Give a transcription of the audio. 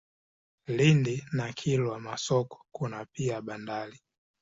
Lindi na Kilwa Masoko kuna pia bandari.